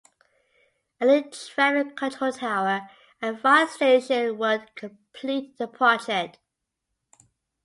A new traffic control tower and fire station would complete the project.